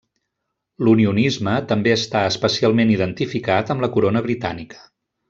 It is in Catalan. L'unionisme també està especialment identificat amb la Corona Britànica.